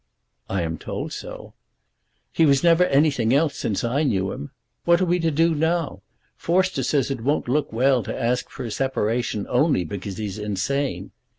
"I am told so." "He never was anything else since I knew him. What are we to do now? Forster says it won't look well to ask for a separation only because he's insane.